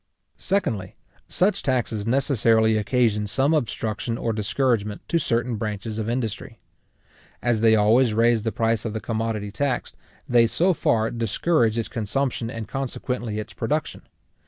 Secondly, such taxes necessarily occasion some obstruction or discouragement to certain branches of industry. As they always raise the price of the commodity taxed, they so far discourage its consumption, and consequently its production.